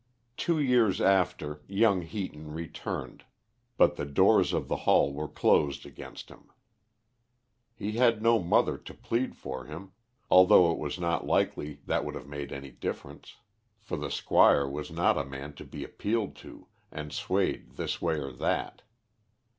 Two years after, young Heaton returned, but the doors of the Hall were closed against him. He had no mother to plead for him, although it was not likely that would have made any difference, for the Squire was not a man to be appealed to and swayed this way or that.